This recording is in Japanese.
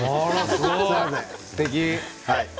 すてき。